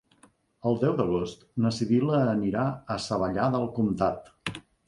El deu d'agost na Sibil·la anirà a Savallà del Comtat.